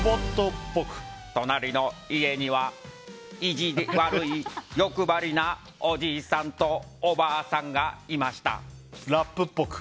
隣の家には意地悪い欲張りなおじいさんとおばあさんがラップっぽく。